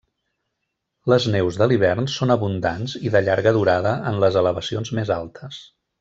Les neus de l'hivern són abundants i de llarga durada en les elevacions més altes.